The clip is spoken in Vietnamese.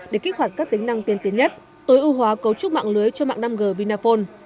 để kích hoạt các tính năng tiên tiến nhất tối ưu hóa cấu trúc mạng lưới cho mạng năm g vinaphone